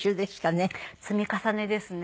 積み重ねですね。